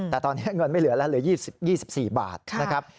แต่ตอนนี้เงินไม่เหลือแล้วเหลือ๒๔บาทนะครับ